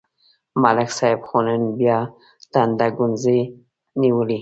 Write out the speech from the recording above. ملک صاحب خو نن بیا ټنډه گونځې نیولې